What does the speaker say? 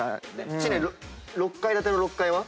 知念６階建ての６階は？